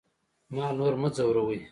ما نور مه ځوروئ